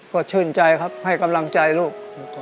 ก็ชื่นใจครับให้กำลังใจลูก